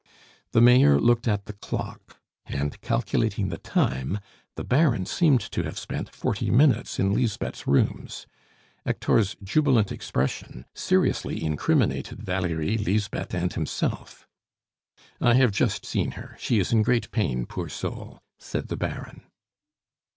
The Mayor looked at the clock; and, calculating the time, the Baron seemed to have spent forty minutes in Lisbeth's rooms. Hector's jubilant expression seriously incriminated Valerie, Lisbeth, and himself. "I have just seen her; she is in great pain, poor soul!" said the Baron.